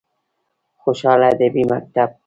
خوشحال ادبي مکتب: